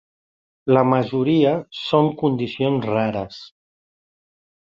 La majoria són condicions rares.